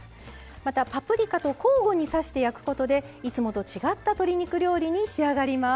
またパプリカと交互に刺して焼くことでいつもと違った鶏肉料理に仕上がります。